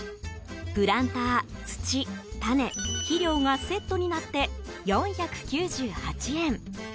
プランター、土、種、肥料がセットになって４９８円。